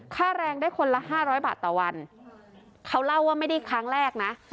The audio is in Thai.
ค่าแรงได้คนละ๕๐๐บาทต่อวันเขาเล่าว่าไม่ได้ครั้งแรกนะ